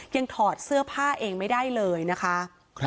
ถอดเสื้อผ้าเองไม่ได้เลยนะคะ